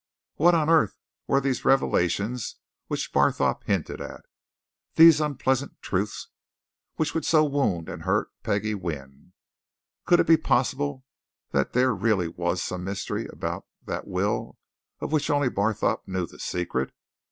What on earth were these revelations which Barthorpe hinted at these unpleasant truths which would so wound and hurt Peggie Wynne? Could it be possible that there really was some mystery about that will of which only Barthorpe knew the secret?